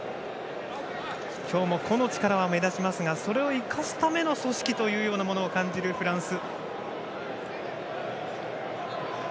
今日も個の力は目立ちますがそれを生かすための組織というのを感じるフランス。